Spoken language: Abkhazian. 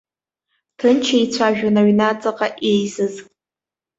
Ҭынч еицәажәон аҩнаҵаҟа еизаз.